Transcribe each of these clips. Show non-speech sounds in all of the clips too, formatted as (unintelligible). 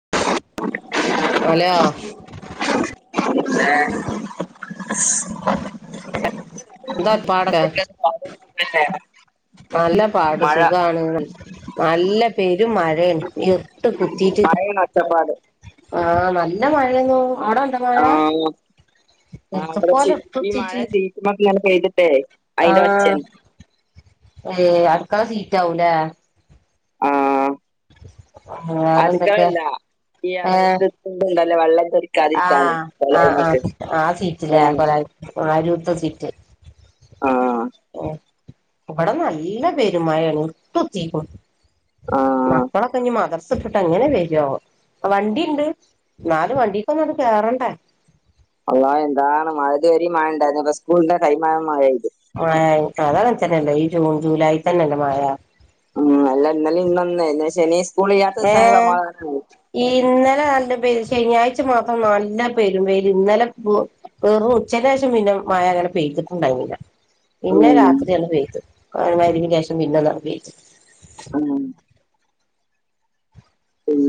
(unintelligible) Hello ഏ എന്താ പാടൊക്കെ എന്തൊക്കെ വർത്താനം സുഖല്ലേ നല്ല പാട് സുഖാണ് നല്ല പേര് രും മഴേണ് ഇർട്ട് കുത്തീട്ട് മഴയാണ് ഒച്ചപ്പാട് ആ നല്ല മഴേന്നൂ ആഹ് ആ ഇവിടെ ഇതുപോലെ ചി ഇരുട്ട് ഈ മഴ കുത്തീട്ട് ചീറ്റ് ചെയ്തിട്ടേ അയിന്റെ ഒച്ചേണ് ഏ അടുക്കള സീറ്റ് ആവൂലേ വേറെന്തൊക്കെ അടുക്കളല്ലാ ഈ ഏഹ് എറയത്ത്ക്ക്ണ്ടാ ആഹ് ആ ആഹ് ആ സീറ്റ്ല്ലേ അതാണ് കൊലായിരൂത്തെ സീറ്റ് ആഹ് ഉം. ഇബടെ നല്ല പെരുമയേണ് ഇര്ട്ടുത്തീക്കുണു ആഹ് മക്കളൊക്കെഞ്ഞി മദ്രസ് ട്ട്ട്ട് എങ്ങനെ വരാവോ വണ്ടിണ്ട് എന്നാലും വണ്ടീക്കൊന്ന് കേറണ്ടെ അല്ലാഹ് എന്താണ് മഴതുവരിം മഴണ്ടായിരുന്നില്ല ഇപ്പ സ്കൂളിന്റെ ടൈമായ മഴെയ്തു (unintelligible) അതങ്ങന തന്നല്ലെ ഈ ജൂൺ ജൂലൈ തന്നല്ലേ മഴ. ഉം അല്ല ഇന്നലിം ഇന്നൊന്നും ശനി സ്കൂൾ ഇയ്യാത്ത ദിവസാണ് സമാധാനാണ്. ന്നലെ നല്ലം പെയ്ത് ശനിയാഴ്ച മാത്രം നല്ല പെരും വെയില് ഇന്നലെപ്പോ വെറും ഉച്ചന്റേഷം പിന്നെ മയ അങ്ങനെ പെയ്തിട്ടുണ്ടായിന്നീലാ പിന്നെ ഉം രാത്രിയാണ് പെയ്ത് മഗ്‌രിബിന് ശേഷം പിന്നൊന്നാണ്ട് പെയ്ത്. ഉം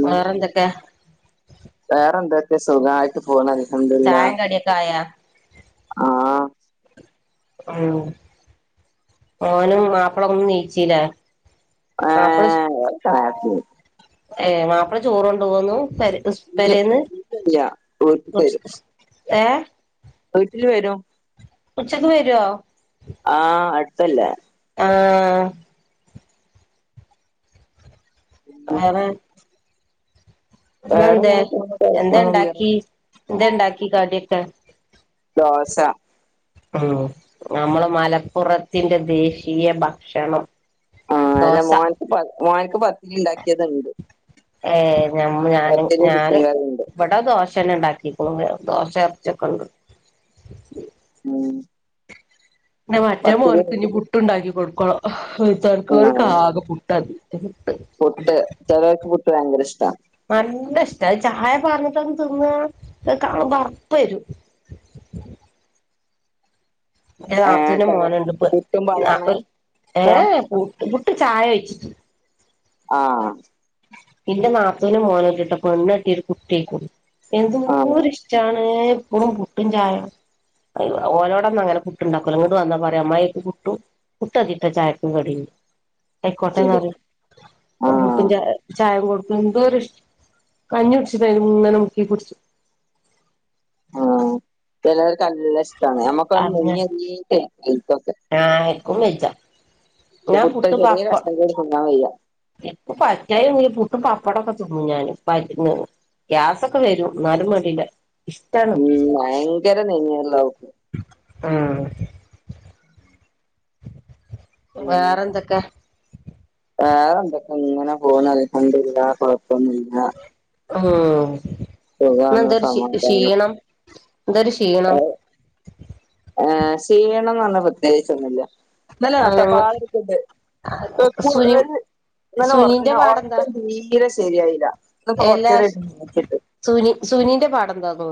വേറെന്തൊക്കെ വേറെ എന്തക്കോ സുഖായിട്ട് പോണ് അൽ ചായേം ഹംദുലില്ലാഹ് കടിയൊക്കെ ആയാ ആഹ് ഉംമോനും മാപ്പ്ളൊന്നും നീച്ചില്ലേ? മാപ്പള ഏഹ് (unintelligible) ഏഹ് മാപ്പ്ള ചോറോണ്ടോവോന്നും.. ഇല്ല പേരേന്ന് ഇല്ല ഏഹ് വീട്ട്ല് വരും. ഉച്ചക്ക് വരോ? ആഹ് അട്ത്തല്ലേ? ആഹ്. വേറെ ഇന്നെന്തേ വേറെങ്ങനെ പോണ് കൊഴപ്പൊന്നുല്ല എന്തേണ്ടാക്കി? ന്തേണ്ടാക്കി കടിയൊക്കെ? ദോശ ഉം നമ്മള് മലപ്പുറത്തിന്റെ ദേശീയ ഭക്ഷണം. ഉം. അല്ല ദോശ മോൻക്ക് പത് മോൻക്ക് പത്തിരി ഇണ്ടാക്കിയത്ണ്ട്. ഏഹ് ഞമ്മ ഞാനും ഞാനും കറിണ്ട് ഇവടെ ദോഷന്നെ ഇണ്ടാക്കി. (unintelligible) ദോഷേ എർ ച്ചിക്കെണ്ട്. ഉം പിന്നെ മറ്റേ പത്തിരി മോൻക്ക് ഇഞ്ഞ് പുട്ടുണ്ടാക്കി കൊട്ക്കണം. ആഹ് (unintelligible) ആകെ പുട്ടതി. പുട്ട് ചേലോല്ക്ക് പുട്ട് ഭയങ്കര ഇഷ്ട. അയ് ചായ പാറ്ന്നിട്ടാണ് തിന്ന കാണുമ്പ അർപ്പ് വരും. ന്റെ ഏഹ് നാത്തുന്റെ ചെ മോന്ണ്ട് ഇപ്പ പുട്ടും പഴാണ് ഏ ഇഷ്ടം പുട്ട് ചായ ഒഴിച്ച്. ആഹ് ന്റെ നാത്തൂന്റെ മോന്ണ്ട്ട്ടോ. പെണ്ണട്ടി ഒരു കുട്ടിയായിക്ക്ണു ആഹ് എന്തൊരുഷ്ടാണ് ഇപ്പളും പുട്ടും ചായിം. ഓലോടൊന്നും അങ്ങനെ പുട്ടുണ്ടാക്കൂല്ല. ങ്ങട്ട് വന്നാ പറയാ അമ്മായി ക്ക് പുട്ടും പുട്ട് അതിട്ടോ ചായക്ക് കടി ആയിക്കോട്ടെ ശരി ന്നാൽ പുട്ടും ആഹ് ചായ - ചായം കൊടുക്കും എന്തോഷ്ട കഞ്ഞി കുടിച്ചണ തിരി ഇങ്ങനെ മുക്കി കുടിച്ചു. ആഹ് ചെലോൽക്ക് ല്ല അങ്ങനെ ഇഷ് (unintelligible) (unintelligible) (unintelligible) ഞാൻ പുട്ടും ചെറിയ പപ്പം കഷ്ണം കൂടി തിന്നാൻ വയ്യ പ്പോ പറ്റായി പുട്ടും പപ്- പ്പടൊക്കെ തിന്നും ഞാന് (unintelligible) ഗ്യാസൊക്കെ വരും ന്നാലും മാണ്ടില്ല. ഉം ഭയങ്കര നെയ്യൊള്ളു ഉം വേറെന്തൊക്കെ വേറെ എന്തൊക്കെ ഇങ്ങനെ പോണു അൽഹംദുലില്ലാഹ് കൊഴപ്പൊന്നുല്ല. ഉം ഇന്ന് സുഖാണ് എന്തൊരു സമാധാനം ക്ഷീണം. എന്തൊരു ക്ഷീണം ഏഹ് (unintelligible) പ്രത്യേകിച്ച ഒന്നുല്ല ന്നലെ ആഹ് നട്ടപ്പാതിരാക്ക് ണ്ട് സുനി (unintelligible) ഇന്നലെ സുനിന്റെ ഉറങ്ങ പാടെന്താ ഉറക്ക് തീരെ ശരിയായില്ല (unintelligible) ഇപ്പ കൊറച്ച് എല്ലാ നേരം (unintelligible) സുനി സുനിന്റെ പാട എന്താന്നോ?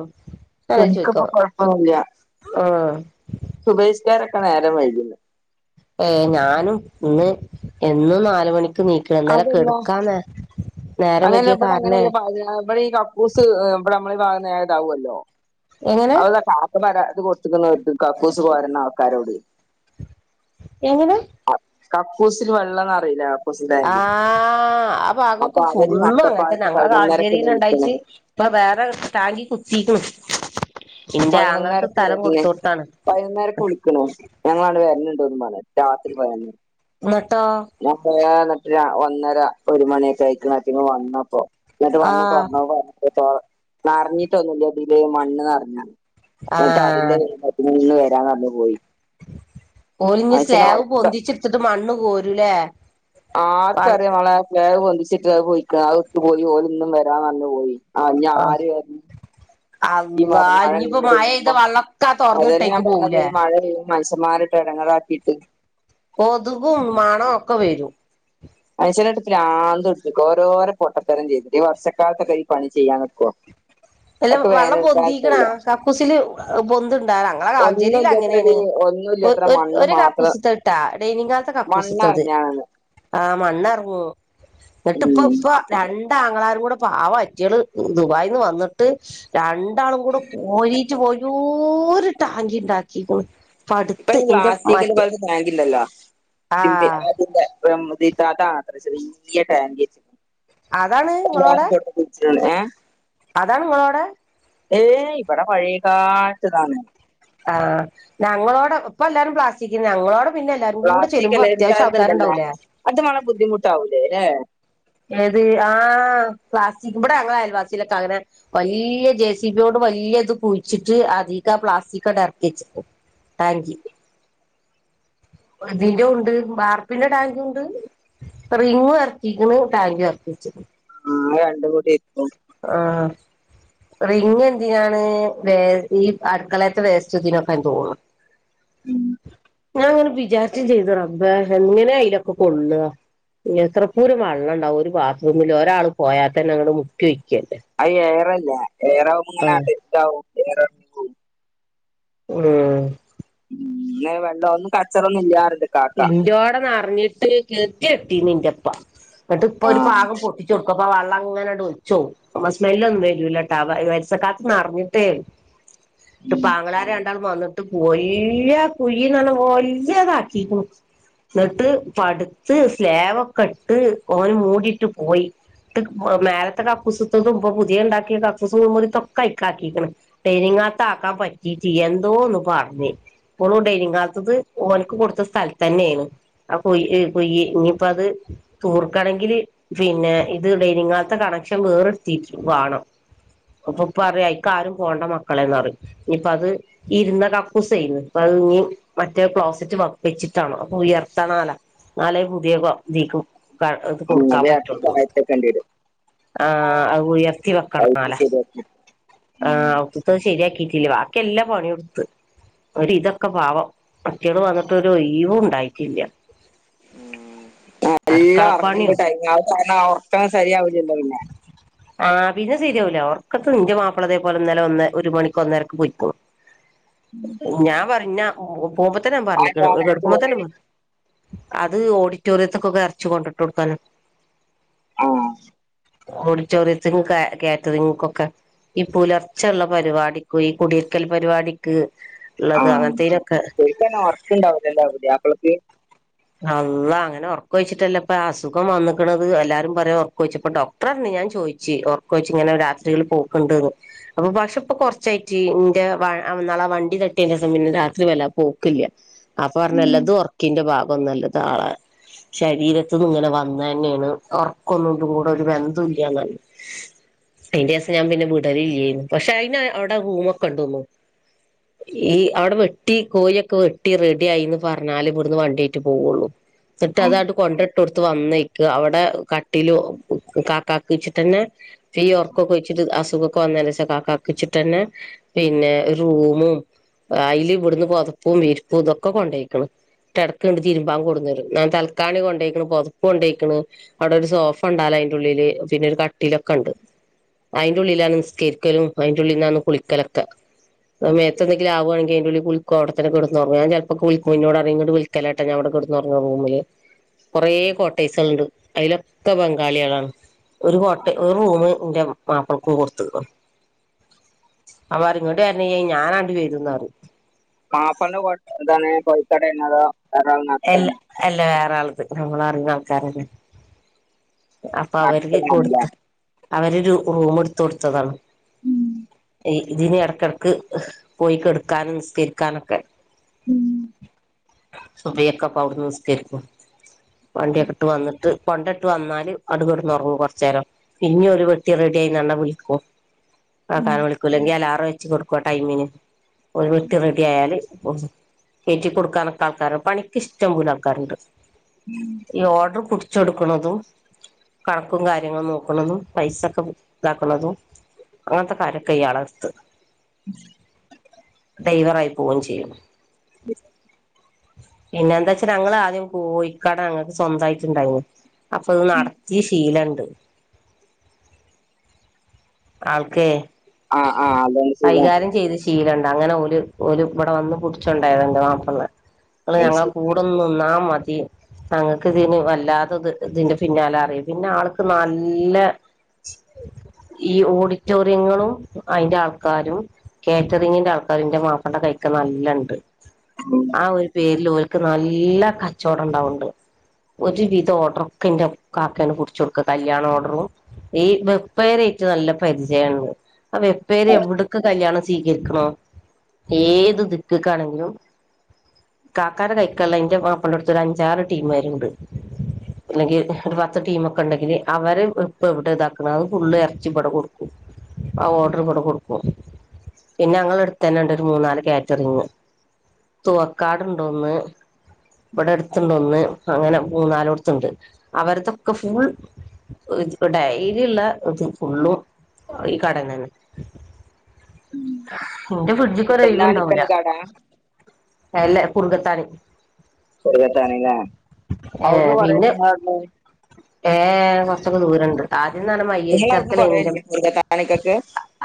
നിക്കിപ്പൊ കൊഴപ്പന്നില്ല ആഹ് സുബേഷ്ക (unintelligible) നേരം വൈകുന്ന ഏയ് ഞാനും ഇന്ന് എന്നും നാലുമണിക് നീക്കണ എന്നാല കെടുക്കാന്നേ അങ്ങനല്ല ഇവിടെ അങ്ങനെയല്ല ഇടെ ഈ കക്കൂസ് ഇടെ നമ്മൾ വാകുന്ന ഇതാവുമല്ലോ എങ്ങനെ (unintelligible) ത് കൊടുത്തക്ക കക്കൂസ് കോരുന്ന ആൾക്കാരോട് എങ്ങനെ കക്കുസിൽ വെള്ളംന്ന് അറിയില്ല കക്കൂസ് ടാങ്കില് ആഹ് ആഭാഗക്ക അപ്പൊ അവര് ഫുള്ള് അങ്ങൻത്തന്ന നട്ടപ്പാതിരക്ക് ഞങ്ങളെ പതിനൊന്നരക്ക് എന്നെ കാൾജേരിന്ന് വിളിക്കണ് ഇണ്ടായിട്ട് ഇപ്പ വേറെസ് തി കുത്തീക്ക്ണ് പതിനൊന്നരക്ക് വര്ന്. പതിനൊന്നൊരക്ക് വിളിക്ക്ണൊ ഞങ്ങളാണ്ട് വര്ന് തും പർഞ്ഞാണ്ട് രാത്രി ന്നട്ടോ (unintelligible) രാ ഒന്നര ഒരു മണിയൊക്കെ ആയിക്ക്ണ് അയ്റ്റങ് വന്നപ്പോ. ഇന്നട്ട് വന്ന് ആഹ് (unintelligible) നർറഞ്ഞിട്ടൊന്നുല്ലതില് മണ്ണ് നെർഞ്ഞ. ഇന്നട്ട അതിന്റെ ആഹ് (unintelligible) (unintelligible) പോയി ഓല്ന്ന് മനുഷ്യനെ സ്ലാവ് ഉറക്ക പൊന്തിച്ചിട്ത്തിട്ട് മണ്ണ് കോരുലേ ആർക്കറിയാ മളെ സ്ലാവ് പൊന്തിച്ചിട്ട് അത് പൊയിക്ക. അത് ഇട്ടുപോയി ഓല് ഇന്നും വരാർഞ് പോയി. ആഹ് ഞാ ആര് വര് ഈ മ അള്ളാ മഴ ഇനിയിപ്പോ മഴെയ്ത (unintelligible) വെള്ളൊക്കെ ആ അതന്നെ ഞാൻ തൊറന്നിട്ടേക്ക് പർഞ്ഞത് പോവൂലേ ഈ മഴ പെയ്യ് മൻസമ്മാരട്ട് എടങ്ങേറാക്കിയിട്ട്. കൊതുകും മണ ഒക്കെ വരും. മനുഷ്യനട്ട് പ്രാന്തുട്പ്പിക്കും. ഓരോരെ പൊട്ടത്തരം ചെയ്ത്. ഈ വർഷക്കാലത്തൊക്കെ ഈ പണി ചെയ്യാൻ നിക്കോ എല്ലും വള്ളം പൊന്തിക്ക്ണ? കക്കൂസില് പൊന്ത്ണ്ടാ? ഞങ്ങളെ ഒന്നും കാവ്ഞ്ചേരില് ഇല്ലാത്ര അങ്ങനേണ്. അങ്ങനെയാണ് ഒന്നും ഒര് ഇല്ലാത്ര ഒര് മണ്ണ് ഒരു മാത്രം കാക്കൂസ്ത്തട്ടാ ഡൈനിഹാൾത്തെ കക്കൂസ്ത്തത്. മണ്ണറിഞ്ഞാണ് ആഹ് മണ്ണർ ഓഹ് എന്നിട്ട്പ്പ ഉം ഇപ്പ രണ്ടാങ്ങളാരും കൂടെ പാവ അയ്റ്റള് ദുബായിന്ന് വന്ന് ട്ട് രണ്ടാളും കൂടെ കോരിറ്റ് വല്ല്യോരു ടാങ്കി ഇണ്ടാക്കിക്ക്ണ്. ഇപ്പൊ അട്ത്ത് ഇന്റെ മറ്റ് (unintelligible) ചെറിയ്യ ടാങ്ക് അതാണ് എല്ലാവരും ഓളോടെ തൊട്ട് ഏഹ് അതാണ് ഇങ്ങളോടെ? ഏയ് ഇബടെ പയേകാൽത്തതാണ്. ആ ഞങ്ങളോട് ഇപ്പ എല്ലാരും പ്ലാസ്റ്റിക്കു ഞങ്ങളോട് പിന്നെല്ലാരും കൂടെ പ്ലാസ്റ്റിക് ചെല്ലുമ്പോ അല്ലേ അത്യാവശ്യം ഇതുണ്ടല്ലോ ആൾക്കാരുണ്ടാവൂലേ? അത് വളരെ ബുദ്ധിമുട്ടാവൂലേ അല്ലേ ആ, ഏത് ആ പ്ലാസ്സി ഇവിടെ ഞങ്ങള് അയൽവാസിലൊക്കെ തകരഅങ്ങനെ വലിയ ജെ സി ബിയോടും. വലിയ ഇത് പൂഴച്ചിട്ട് അധിക ആ പ്ലാസ്റ്റിക്ടെ ഇറക്കി വച്ചിക്കും. താങ്ക്യൂ. അതിന്റെ ഉണ്ട് ബാർപ്പിന്റെ ടാങ്കു ഉണ്ട്. റിംങ്ങു ഇറക്കിക്കുണു ടാങ്ക് ഇറക്കി വെച്ച്. ഞങ്ങള് രണ്ടും കൂടി ഇര്ക്കും. ആഹ. റിങ് എന്തിനാണ് വേ ഈ അടുക്കളയത്തെ വേസ്റ്റുതുനൊകാൻ തോന്ന് ഉം ഞാൻ അങ്ങനെ വിചാരിച്ച ചെയ്ത റബ എങ്ങനെയാ അയിലൊക്കെ കൊള്ള. എത്രപ്പൂരം വള്ളംണ്ടാവും ഒരു ബാത്റൂമിൽ ഒരാൾ പോയാ തന്നെ ഞങ്ങള് മുക്കിവെയ് അ ഏറല്ല ഏറാവുമങ്ങനെ ആഹ് അഡറ്റ് ആവും (unintelligible) ഉം. ഉ പിന്ന വെള്ളഒന്നും കച്ചറൊന്നുമില്ല ആർ ഇന്തോടൊന്നഞ്ഞിട്ട് കെത്തി എത്തി നിൻ്റെ പ്പ എന്നിട്ട് ഇപ്പൊ ഒരു ആഹ് പാവം പൊട്ടിച്ച് കൊടുക്കും. അപ്പൊ വെള്ളം ഇങ്ങനെട ഒച്ചോ അപ്പ സ്മെല്ല ഒന്നും വരുലട്ടാ വരസക്കത്ത് നിറിഞ്ഞിട്ടേ ഇ പാഗളാര രണ്ടാളും വന്നിട്ട് പോയി ലയ കുഴിന്ന വന്ന വലിയതാ തിപോ എന്നിട്ട് പടുത്ത് സ്ലാവൊക്കെ ഇട്ട് ഓന് മൂടിട്ട് പോയി. ട്ട് ഒമേലത്തെ കപ്പു സുത്ത തുമ്പ പുതിയ ഉണ്ടാക്കിയ കപ്പു സുഖ മുത്തൊക്ക അയക്കാക്കിണ്, തേനി നത്താക്കാൻ പറ്റിട്ട് എന്തോന്ന് പറഞ് പ്പോൾഡൈകാത്തത് ഓന്ക്ക് കൊടുത്ത സ്ഥലതന്നെയാണ് ആ കൊയ് ഇ കൊയ് ഇ ഇനിയിപ്പോ അത് തൂർക്കണങ്കില് പിന്നെ ഇത്ടെനിങ്ങത്തെ കണക്ഷൻ വേറെത്തിട്ട് വാണം. അപ്പൊ പ്പറയും അയ്ക്കാരും പോണ്ട മക്കളേന്നറിം നിപ്പൊത് ഇരുന്ന കക്കൂസെയ്ന്നു പ്പൊത് ഇഞ്ഞി മറ്റേ ക്ലോസറ്റ് വെ വെച്ചിട്ടാണോ അപ്പൊ ഉയർത്തണാല നാലേ പുതിയതീക്ക്‌ താഴെക്ക് ഉം കൊടുക്കാൻ അത് ഇറക്കി പറ്റുള്ളൂ താഴത്തേക്കേണ്ടി വരും ആ അത് ഉയർത്തി പൈപ്പ് വെക്കണാലേ ശരിയാക്കി ആ ഉം ഔത്ത്ത്തത് ശരിയാക്കി ഇല്ല ബാക്കിയല്ലാ പണിയുടുത്ത് ഒരിതൊക്കെ പാവം മറ്റിയാള് വന്ന് ഒരൊയ് വുണ്ടായിട്ടില്ല നല്ല ഉറക്കന്റെ ടൈമാ അഹ് കാരണം ആ ഒറക്കം ശരിയാവൂലല്ലോ പിന്നെ ആ പിന്നെ ശരിയാ വൂല ഒർക്കൊക്കെ ന്റെ മാപ്പിളതേ പോലെ ഇന്നലെ ഒന്ന് ഒരു മണിക്ക് ഒന്നേരക്ക് പോയ്ക്ക്‌ണു ഞാൻ പറീം ന്ന പോകുമ്പൊ തന്നെ ഞാൻ ആ എന്താ പറഞ്ഞുക്കാണ് നേരത്ത് പോണേ കേടക്കുമ്പോത്തന്നെ പ അത് ഓഡിറ്റോറിയത്ത്ക്കൊക്കെ എറച്ചി കൊണ്ടിട്ട് കൊടുക്കാനാ ആ ഓടിറ്റോറിയത്തിക്കും കാ കേറ്ററിങ്ങ്ക്കൊക്കെ ഈ പുലർച്ചള്ള പരിപാടിക്കു ഈ കുടിരിക്കൽ പരിപാടിക്ക് ആ ഉള്ളത് അങ്ങനത്തേനൊക്കെ ശരിക്കെന്നെ ഒർക്കുണ്ടാവൂലല്ലേ പുതിയാപ്പൾക്ക് അള്ളാ അങ്ങനെ ഒർക്കൊയ് ച്ചിട്ടല്ലേ ഇപ്പൊ അസുഖം വന്ന്ക്കണത് എല്ലാരും പറയാ ഒറക്കൊയ് ച്ചപ്പൊ ഡോക്ടർഞ്ഞ് ഞാൻ ചോദിച്ചി ഒർക്കൊയ്ച്ചിങ്ങനെ രാത്രികളിൾ പോക്ക്‌ണ്ട്ന്ന് അപ്പൊ പക്ഷെ പ്പൊ കൊറച്ചായിട്ട് ന്റെ വ ആ ന്നാളാ വണ്ടി തട്ടിയേന്റെസം പിന്നെ രാത്രി വല്ലാ പോക്കില്ല അപ്പൊ ഉം പറഞ്ഞല്ലത് ഉറക്കിന്റെ ഭാ ഇപ്പൊ നല്ലതാളാ ശരീരത്തിന്ന് ങ്ങ്ട് വന്നതന്നേണ് ഒറക്കൊന്നും തു കൂടൊരു ബന്ധുല്ല്യാന്ന് അയിന്റെസം ഞാൻ പിന്നെ വിടലില്ല്യേ പക്ഷെ അയിന് അവടെ റൂമൊക്കെണ്ടുന്നു ഈ അവടെ വെട്ടി കോയി ഒക്കെ വെട്ടി റെഡി ആയിന്ന് പറഞ്ഞാല് ഇവിടുന്ന് വണ്ടി പോവുള്ളൂ ന്നിട്ട് അതാണ്ട് കൊണ്ടെ ട്ടൊടുത്ത് വന്നെയ്ക്ക്‌ അവടെ കട്ടിലു കാക്കാക്ക്‌ച്ച്ട്ടന്നെ ഫീ ഒർക്കൊക്കെയ്ച്ചി ട്ട് അസുഖൊക്കെ വന്നെനെഷ കാക്കാക്കിച്ചിട്ട്ന്നെ പിന്നെ ഒരു റൂമും അയില് ഇവിടുന്ന് പൊതപ്പും വിരിപ്പും ഇതൊക്കെ കൊണ്ടോയിക്കണ് കെട ക്കണത് തിരുമ്പാൻ കൊണ്ടന്ന് തരും ഞാൻ തൽക്കാണി കൊണ്ടേക്കണ് പൊതപ്പ് കൊണ്ടേക്കണ് അവിടെ ഒരു സോഫ ഉണ്ട് അലതിൻ്റെ ഉള്ളില് വേ പിന്നെ ഒരു കട്ടിലൊക്കെ ഒണ്ട്. അയിന്റെ ഉള്ളിലാണ് നിസ്ക്കരിക്കലും അയിന്റെ ഉള്ളിന്നാണ് കുളിക്കലൊക്കെ മേത്ത് എന്തങ്കിലും ആവുകാണെങ്കി അയിന്റെ ഉള്ളീ കുളിക്കും അവിത്തന്നെ കെടന്ന് ഒറങ്ങും. ഞാൻ ചെലപ്പോ കുളിക്കും എന്നോട് അറേങ്ങോട് വിളി ക്കെല്ലട്ട ഞാൻ ഇവിടെ കെടന്ന് ഒറങ്ങുവാ റൂമില് കൊറേ കോട്ടേർസുകളുണ്ട്. അതിലൊക്കെ ബംഗാളികളാണ്. ഒരു കോട്ട് ഒരു റൂമ് എന്റെ മാപ്പിളക്കും കൊടുത്തിരുന്നു അവരിഞ്ഞോട്ട് വരണില്ലങ്കി ഞാനങ്ങട്ട് വരൂന്ന് പറഞ്ഞ് പാപ്പൻ്റെ കൊട് എന്താണ് കോഴിക്കടേ നിന്നതാ എല്ല എല്ല വേറെ ആള്ണ്ട്. നമ്മളറിയുന്ന ആൾക്കാരന്നെ അപ്പ അവര്ക്ക് നടത്തുന്ന കൊടുത്ത്. അവരൊരു റൂം എടുത്ത് കൊടുത്തതാണ്. ഉം ഇതിന് എടക്കെടക്ക് പോയി കെടക്കാനും നിസ്കരിക്കാനൊക്കെ ഉം സുബഹിക്കെ അപ്പൊ അവ്ട്ന് നിസ്കരിക്കും. വണ്ടിക്കെ ഇട്ട് വന്നിട്ട് കൊണ്ടിട്ട് വന്നാ ല് അത് കെടന്ന് ഒറങ്ങും കൊറച്ച് നേരം. പിന്നെ ഒരു പെട്ടി റെഡി ആയീന്ന് പറഞ്ഞ് വിളിക്കുമ്പൊ ആക്ക വിളിക്കൂല്ലെങ്കി അലാറം വെച്ച് കൊടുക്കും ആ ടൈമിന്. ഒരു പെട്ടി റെഡി ആയാല് ഓ എറ്റി കൊടുക്കാനൊക്കെ ആൾക്കാര് പണിക്ക് ഇഷ്ടം പോലെ ആൾക്കാരുണ്ട് ഈ ഓഡർ പിടിച്ചെടുക്കണതും കണക്കും കാര്യങ്ങളും നോക്ക്ണതും പൈസൊക്കെ ഇതാക്കണതും അങ്ങനത്തെ കടെക്കെ ഇയാളടത്തു ഉ (inaudible) ഡ്രൈവറായി പോവുകയും ചെയ്യും ബസ് പിന്നെ എന്താ വച്ചാ ഞങ്ങള് ആദ്യം കോയിക്കട ഞങ്ങക്ക് സ്വന്തായിട്ടുണ്ടായിരുന്നു അപ്പൊത് നടത്തിയ ശീലണ്ട്. ആൾക്കേ ആഹ് ആഹ് അതുകൊണ്ട് സുഖാണ് കൈകാര്യം ചെയ്ത് ശീലണ്ട്. അങ്ങനെ ഓര് ഇവിടെ വന്ന് പിടിച്ചുണ്ടായത്. ഇന്റെ മാപ്പളണേ അ അത് ഞങ്ങള ശരി കൂടെന്നാ മതി! തങ്ങൾക്ക് ഇതിന് വല്ലാതെ ഇത്. ഇതിന്റെ പിന്നാലെ അറിയും. പിന്നെ ആൾക്ക് നല്ല ഈ ഓഡിറ്റോറിയങ്ങളും അയിന്റെ ആൾക്കാരും. കാറ്ററിങ്ങിന്റെ ആൾക്കാരിന്റെ മാപ്പിളന്റെ കൈക്കെ നല്ലണ്ട്. ഉം ആ ഒരു പേരിലോൽക്ക് നല്ല! കച്ചവടം ഉണ്ടാവണ്ട് ഒരു വിധ ഓർഡർ ഒക്കെ ഇന്റെകാക്കേണ് ക് പിടിച്ചു കൊടുക്കുക. കല്യാണ ഓർഡറും, ഈ ബപ്പ നല്ല പരിചയആ ണ് അപ്പൊ എപ്പോ എവിട കല്യണം സ്വീകരിക്കണോ ഏത് ദിക്കക്കാണെങ്കിലും കാക്കന്റെ കൈക്കുള്ള അന്റെ മാപ്പിന്റെ അടുത്ത ഒരു അഞ്ചാറ് ടീംമാരുണ്ട് അല്ലെങ്കിൽ ഒരു പത്ത് ടീമ ഒക്കെ ഉണ്ടെങ്കിൽ അവര് ഇപ്പ ഇവിടെ ഇതാക്കണ അത് ഫുള് ഇ അച്ചി പടെ കൊടുക്കും ആ ഓർഡർ ഇപടെ കൊടുക്കും പിന്നെ ഞങ്ങ എടുത്ത തന്നെ ഇണ്ട് ഒരു മൂന്നാല് കാറ്ററിങ് തുവക്കാടുണ്ടോന്ന് ഇവിടെ അടുത്തണ്ട് ഒന്ന് അങ്ങനെ മൂന്നാല അടുത്തണ്ട് അവരതൊക്കെ ഫുൾ ഡൈലുള്ള ഫുള്ളു ഈ കട ത തന്നെ ഇന്റെ ഫ്രിഡ്ജിക്ക് ഓല്ക്ക് ഒരു ഒഴിവുണ്ടാവൂല കുത്തന്നാനിക്കന്നൊരടാ എല്ല കുടുകാത്താനും കൊത്തണല്ലേ അവിന്ന് പറയ ഏർ കുറച്ചൊക്കെ ദൂരുണ്ട് ആദ്യംന്നാണ് നിങ്ങളെ അവിടുന്ന് മയ്യേരിച്ചക്കലം കൊറേയില്ലേ മുരുകത്താണിക്കൊക്കെ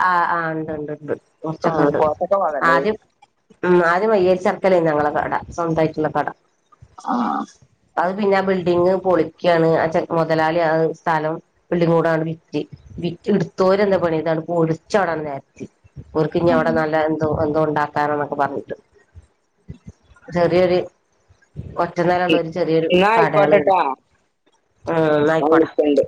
ആ ആ ഉണ്ട്ണ്ട് ഉണ്ട് കുറച്ചൊക്കെ. ആഹ് ഉണ്ട് കോട്ടക്ക ഭാഗല്ലേ ആദ്യം ഉം ആദ്യം വയ്യേരി ചർക്കലേനി ഞങ്ങളെ കട. സ്വന്തമായിട്ടുള്ള കട. ആഹ അത് പിന്നെ ബിൽഡിങ് പൊളി ണ് മുതലാളി ആ സ്ഥലം ബിൽഡിങ്ങും കൂടാണ്ട് വിറ്റ് വിറ്റ് എടുത്തോരെന്ദ് പണി പൊളിച്ചവിടെ നെരത്തി ഓൽക്ക് ഇഞ് അവിടെ നല്ല എന്തോ ബന്തം ഉണ്ടാക്കാനൊക്കെ പറഞ്ഞിട്ട്. ചെറിയൊരു ഒറ്റ നെല ഉള്ള ഒരു ചെറിയൊരു എന്നാ കടകളെനി ആയിക്കോട്ടെട്ടോ ഞാൻ ആഹ ന്നായിക്കോട്ടേ വിളിക്കണ്ട്